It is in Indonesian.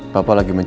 papa lagi menjaga